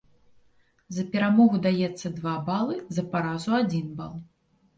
За перамогу даецца два балы, за паразу адзін бал.